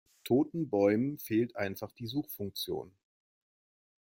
Toten Bäumen fehlt einfach die Suchfunktion.